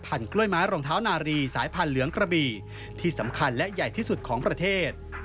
กล้วยไม้รองเท้านารีสายพันธุ์เหลืองกระบี่ที่สำคัญและใหญ่ที่สุดของประเทศ